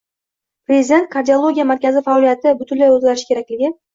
Prezident: Kardiologiya markazi faoliyati butunlay o‘zgarishi kerakng